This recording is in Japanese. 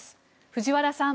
藤原さん。